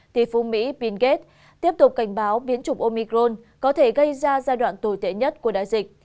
tỷ phú mỹ bill gates tiếp tục cảnh báo biến chủng omicron có thể gây ra giai đoạn tồi tệ nhất của đại dịch